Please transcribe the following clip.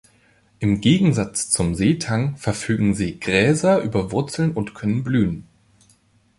Im Gegensatz zum Seetang verfügen Seegräser über Wurzeln und können blühen.